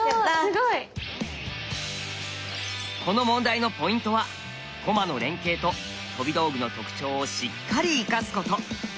この問題のポイントは「駒の連係」と「飛び道具の特徴をしっかり生かす」こと。